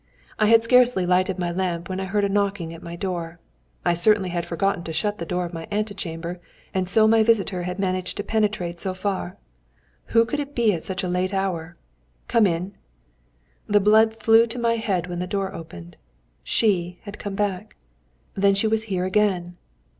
I had scarcely lighted my lamp when I heard a knocking at my door. I certainly had forgotten to shut the door of my ante chamber, and so my visitor had managed to penetrate so far. Who could it be at such a late hour? "Come in!" The blood flew to my head when the door opened. She had come back! Then she was here again!